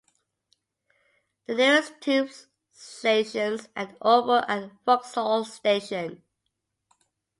The nearest tube stations are Oval and Vauxhall station.